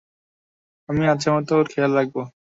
আমি আচ্ছামতো ওর খেয়াল রাখব।